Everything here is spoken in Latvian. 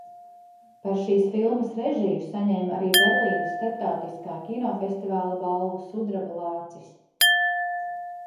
"Par šīs filmas režiju saņēma arī Berlīnes starptautiskā kinofestivāla balvu "Sudraba lācis"."